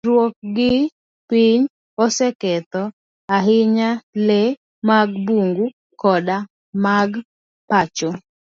Milruok gi piny oseketho ahinya le mag bungu koda mag pacho.